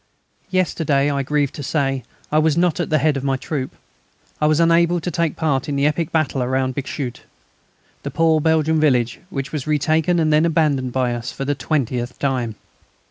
Yesterday, I grieve to say, I was not at the head of my troop. I was unable to take part in the epic battle round Bixschoote, the poor Belgian village which was retaken and then abandoned by us for the twentieth time.